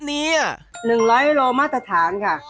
๑๐๐กิโลเมตรตะฐานค่ะ